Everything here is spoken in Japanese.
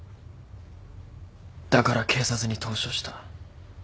だから警察に投書した。